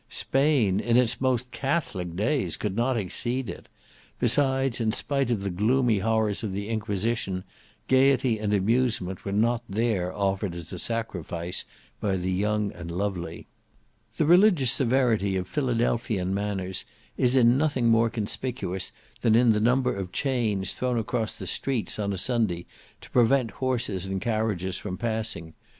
Spain, in its most catholic days, could not exceed it: besides, in spite of the gloomy horrors of the Inquisition, gaiety and amusement were not there offered as a sacrifice by the young and lovely. The religious severity of Philadelphian manners is in nothing more conspicuous than in the number of chains thrown across the streets on a Sunday to prevent horses and carriages from passing.